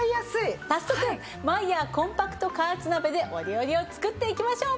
早速マイヤーコンパクト加圧鍋でお料理を作っていきましょう！